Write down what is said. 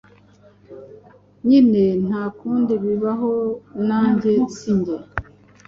nyine ntakundi bibaho nange sinjye